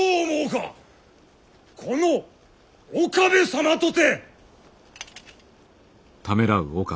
この岡部様とて！